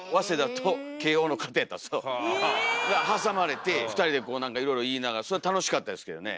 挟まれて２人でなんかいろいろ言いながらそれは楽しかったですけどね。